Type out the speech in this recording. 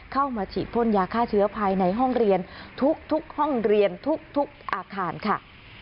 เข้ามาฉีดพ่นยาฆ่าเชื้อภายในห้องเรียนทุกห้องเรียนทุกอาคารค่ะ